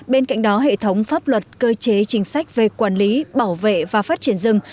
bên cạnh đó hệ thống pháp luật cơ chế chính sách về quản lý bảo vệ và phát triển rừng